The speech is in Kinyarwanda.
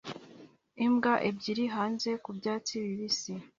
Imbwa ebyiri hanze ku byatsi bibisi